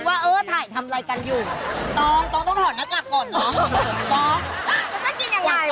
โปรดติดตามตอนต่อไป